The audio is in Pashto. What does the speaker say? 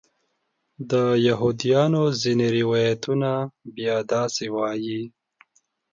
د یهودیانو ځینې روایتونه بیا داسې وایي.